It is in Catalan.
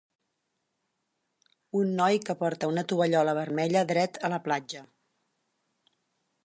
Un noi que porta una tovallola vermella dret a la platja.